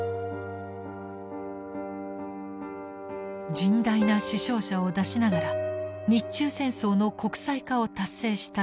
甚大な死傷者を出しながら日中戦争の国際化を達成した介石。